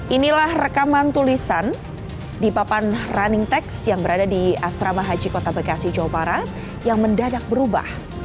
inilah rekaman tulisan di papan running text yang berada di asrama haji kota bekasi jawa barat yang mendadak berubah